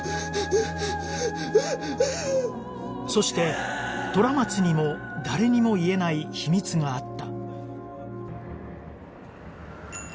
そして虎松にも誰にも言えない秘密があった